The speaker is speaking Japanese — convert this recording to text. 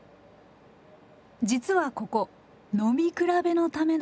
実はここ飲み比べのための場所。